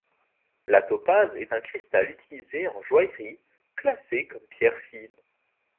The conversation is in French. La topaze est un cristal utilisé en joaillerie, classée comme pierre fine.